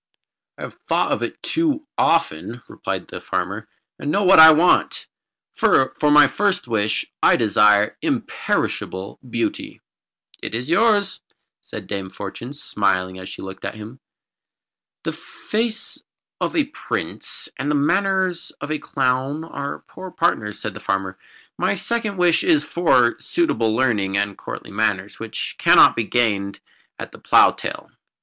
"I have thought of it too often," replied the farmer, "and I know what I want. For my first wish I desire imperishable beauty." "It is yours," said Dame Fortune, smiling as she looked at him. "The face of a prince and the manners of a clown are poor partners," said the farmer. "My second wish is for suitable learning and courtly manners, which cannot be gained at the plough tail."